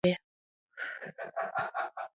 زه اجازه نه درکم چې اوس يې وځورې.